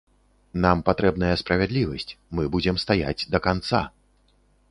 Нам патрэбная справядлівасць, мы будзем стаяць да канца!